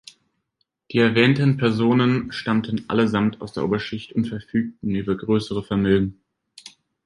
Die erwähnten Personen stammten allesamt aus der Oberschicht und verfügten über größere Vermögen.